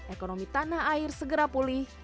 ekonomi tanah air segera pulih